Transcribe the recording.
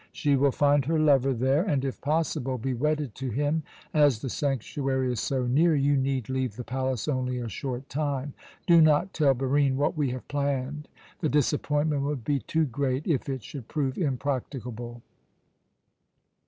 She will find her lover there and, if possible, be wedded to him. As the sanctuary is so near, you need leave the palace only a short time. Do not tell Barine what we have planned. The disappointment would be too great if it should prove impracticable."